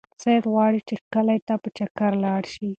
سعید غواړي چې کلي ته په چکر لاړ شي.